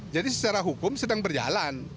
jadi secara hukum sedang berjalan